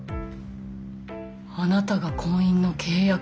あなたが婚姻の契約者？